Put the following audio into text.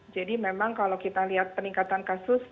jadi memang kalau kita lihat peningkatan kasus